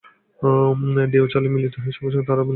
ঢেউ জলে মিলিত হয়ে যাবার সঙ্গে সঙ্গে তারাও বিলীন হয়ে যায়।